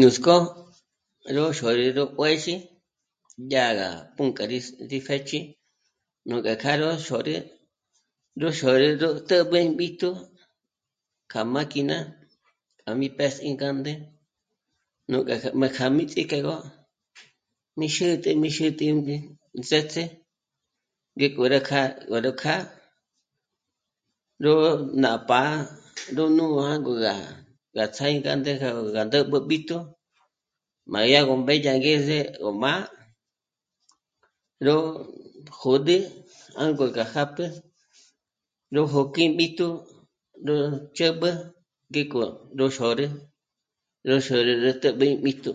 Nuts'k'ó ró xôrü ró juězhi dyá gá pǔnk'ü ndá rí pjéch'i nú ngá kjâ'a rá xôre, nú xôrü yó tä̌'b'ä ímb'íjtu k'a máquina k'a mí pé's'i íngánde ndénújkja má k'a míjts'íkegö mí xîti, mí xîti, nú ts'éts'é ngéko rá kjâ'a ngóró kjâ'a nû'u ná pá'a ndùnu jângo rá gá ts'á í gánde jâ gó para ndä̌'b'ä mb'íjtu má dya gó mbédya angeze gó má'a ró jôd'i jângor gá jâpjü nú jokò k'i b'íjtu rú ch'ä̀b'ü ngéko rú xôrü, rú xôrü 'ä̀t'äbi b'íjtu